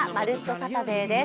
サタデー」です。